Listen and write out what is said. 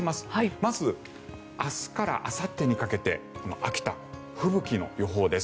まず明日からあさってにかけて秋田、吹雪の予報です。